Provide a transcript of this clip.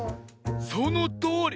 そのとおり！